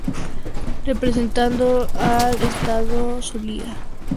Representando al estado Zulia.